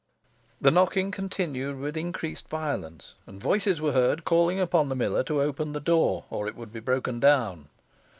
The knocking continued with increased violence, and voices were heard calling upon the miller to open the door, or it would be broken down.